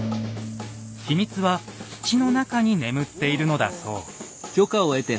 秘密は土の中に眠っているのだそう。